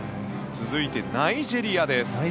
続いてナイジェリアです。